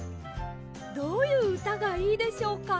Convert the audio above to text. どういううたがいいでしょうか？